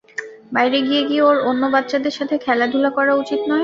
বাইরে গিয়ে কি ওর অন্য বাচ্চাদের সাথে খেলাধূলা করা উচিত নয়?